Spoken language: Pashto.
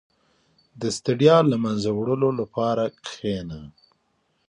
• د ستړیا له منځه وړلو لپاره کښېنه.